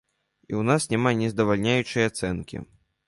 І ў нас няма нездавальняючай ацэнкі.